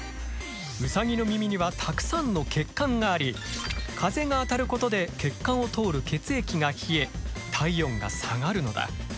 ウサギの耳にはたくさんの血管があり風が当たることで血管を通る血液が冷え体温が下がるのだ。